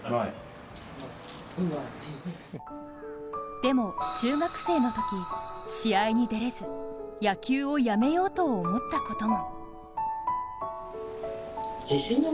でも、中学生のとき試合に出れず、野球を辞めようと思ったことも。